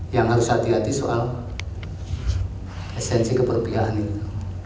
yang harus hati hati soal esensi keberpihakannya